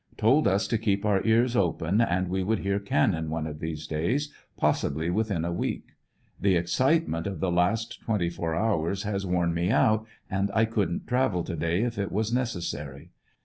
Told us to keep our ears open and we would hear cannon one of these days, possibly within a week. The excitement of the last twenty four hours has worn me out, and I couldn't travel to day if it was necessary.